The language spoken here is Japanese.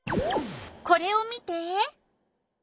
これを見て！